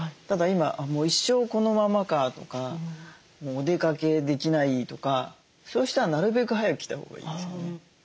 ただ今「もう一生このままか」とかもうお出かけできないとかそういう人はなるべく早く来たほうがいいですよね。